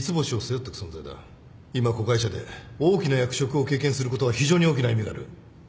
今子会社で大きな役職を経験することは非常に大きな意味がある